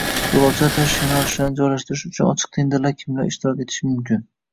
Yo‘lovchilar tashish yo‘nalishlarini joylashtirish uchun ochiq tenderda kimlar ishtirok etishi mumkin?